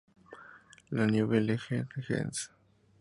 La Neuville-en-Hez